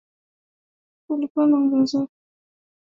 Kulikuwa na ongezeko la bei ya mafuta